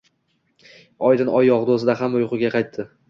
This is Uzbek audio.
Oydin oy yog`dusida hamma uyga qaytdi